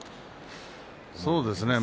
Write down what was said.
そうですね